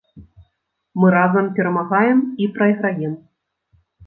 Мы разам перамагаем і прайграем.